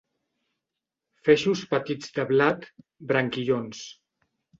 Feixos petits de blat, branquillons.